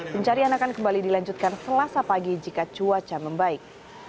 pencarian akan kembali dilanjutkan selasa pagi jika cuaca membaik